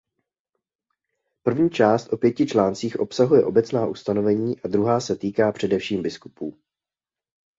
První část o pěti článcích obsahuje obecná ustanovení a druhá se týká především biskupů.